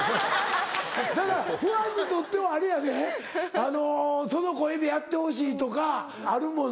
だからファンにとってはあれやでその声でやってほしいとかあるもの。